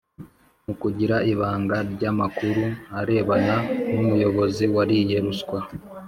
mu kugira ibanga ryamakuru arebana numuyobozi wariye ruswa